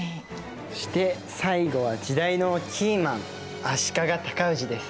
そして最後は時代のキーマン足利高氏です。